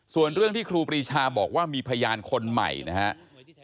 ส่วนเรื่องที่ครูปรีชาบอกว่ามีพยานคนใหม่นะครับ